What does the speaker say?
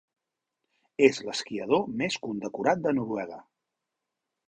És l'esquiador més condecorat de Noruega.